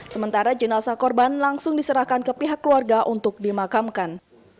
sementara jenazah korban langsung diserahkan ke pihak keluarga untuk dimakamkan